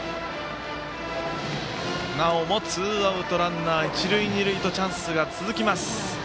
なおもツーアウトランナー、一塁二塁とチャンスが続きます。